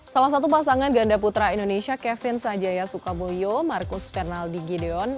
salah satu pasangan ganda putra indonesia kevin sajaya sukaboyo marcus fernaldi gideon